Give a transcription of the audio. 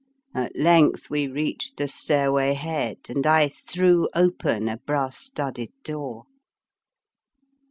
At length we reached the stairway head, and I threw open a brass stud ded door.